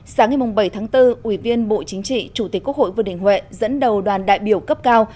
sáng ngày bảy tháng bốn ủy viên bộ chính trị chủ tịch quốc hội vương đình huệ dẫn đầu đoàn đại biểu cấp cao